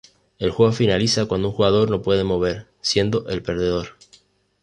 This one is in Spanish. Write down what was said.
El juego finaliza cuando un jugador no puede mover, siendo el perdedor.